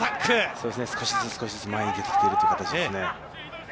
そうですね、少しずつ、少しずつ前に出てきているという形ですね。